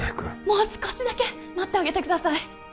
もう少しだけ待ってあげてください